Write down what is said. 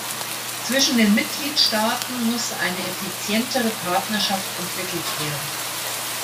Zwischen den Mitgliedstaaten muss eine effizientere Partnerschaft entwickelt werden.